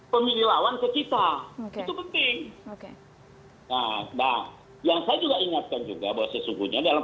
pemilih lawan ke kita itu penting oke nah yang saya juga ingatkan juga bahwa sesungguhnya dalam